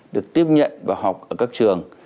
được tiếp nhận và học ở các trường